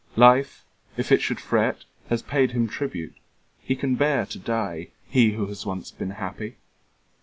Life, if it should fret. Has paid him tribute. He can bear to die, He who has once been happy!